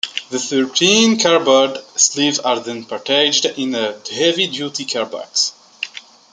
The thirteen cardboard sleeves are then packaged in a heavy-duty card box.